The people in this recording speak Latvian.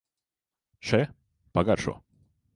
Še, pagaršo!